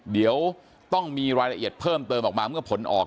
เดี๋ยวต้องมีรายละเอียดเพิ่มเติมออกมาเมื่อผลออก